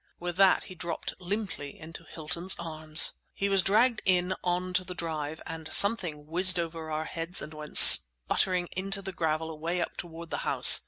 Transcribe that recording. With that he dropped limply into Hilton's arms! He was dragged in on to the drive—and something whizzed over our heads and went sputtering into the gravel away up toward the house.